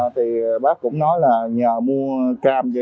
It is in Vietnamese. thì bác cũng nói là nhờ mua cam